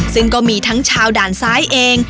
ซึ่งก็มีทั้งชาวด่านซ้ายเอง